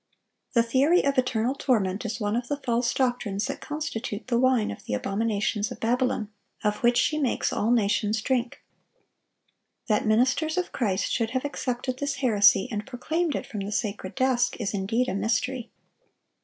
The theory of eternal torment is one of the false doctrines that constitute the wine of the abominations of Babylon, of which she makes all nations drink.(939) That ministers of Christ should have accepted this heresy and proclaimed it from the sacred desk, is indeed a mystery.